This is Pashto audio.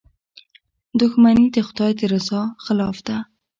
• دښمني د خدای د رضا خلاف ده.